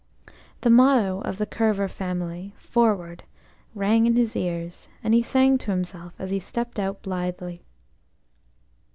The motto of the Kerver family–"Forward!"–rang in his ears, and he sang to himself as he stepped out blithely.